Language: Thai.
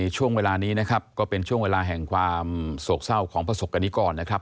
ช่วงเวลานี้นะครับก็เป็นช่วงเวลาแห่งความโศกเศร้าของประสบกรณิกรนะครับ